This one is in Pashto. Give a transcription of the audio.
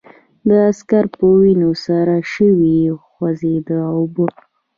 د عسکر په وينو سرې شونډې وخوځېدې: اوبه!